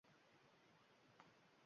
Mayli, aytayin